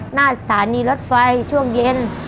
หน้าสถานีรถไฟช่วงเย็น